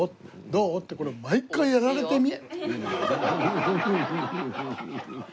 どう？って毎回やられてみ。